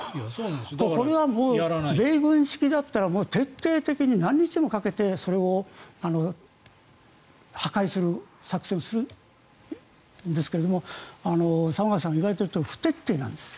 これは米軍式だったら徹底的に何日もかけてそれを破壊する作戦をするんですけども玉川さんが言われたとおり不徹底なんです。